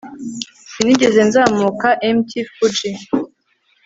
Sinigeze nzamuka Mt Fuji